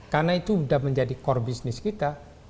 karena itu sudah menjadi core business kita